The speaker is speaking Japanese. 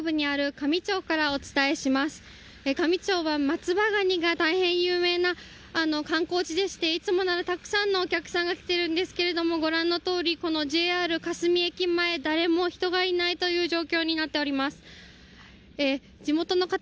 香美町は松葉ガニが大変有名な観光地でしていつもならたくさんのお客さんが来ているんですがご覧のとおり、ＪＲ香住駅前誰も人がいないという状況になっております。